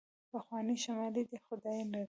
پخوانۍ شملې دې خدای لري.